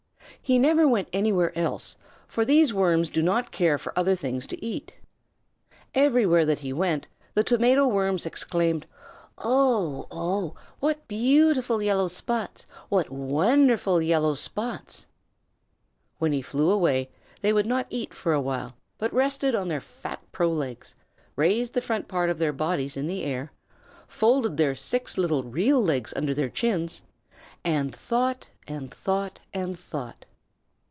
He never went anywhere else, for these worms do not care for other things to eat. Everywhere that he went the Tomato Worms exclaimed: "Oh! Oh! What beautiful yellow spots! What wonderful yellow spots!" When he flew away they would not eat for a while, but rested on their fat pro legs, raised the front part of their bodies in the air, folded their six little real legs under their chins, and thought and thought and thought.